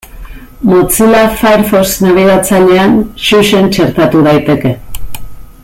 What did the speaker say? Mozilla Firefox nabigatzailean Xuxen txertatu daiteke.